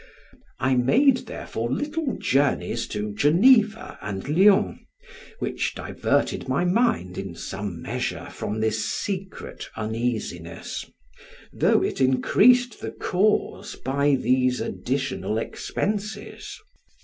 I made therefore little journeys to Geneva and Lyons, which diverted my mind in some measure from this secret uneasiness, though it increased the cause by these additional expenses.